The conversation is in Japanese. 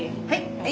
はい。